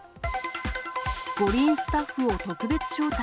五輪スタッフを特別招待。